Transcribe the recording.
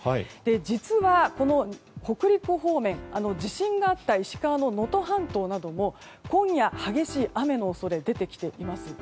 実は、北陸方面、地震があった石川の能登半島なども今夜、激しい雨の恐れが出てきています。